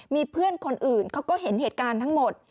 มีเพื่อนคนอื่นเขาก็เห็นเหตุการณ์ทั้งหมด